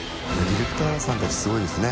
ディレクターさんたちすごいですね